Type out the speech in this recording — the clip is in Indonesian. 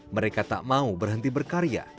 mereka tak mau berhenti berkarya